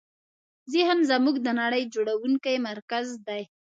ذهن زموږ د نړۍ جوړوونکی مرکز دی.